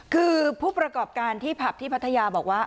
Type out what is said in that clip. คือผู้ประกอบการที่ผับที่พัทยาบอกว่า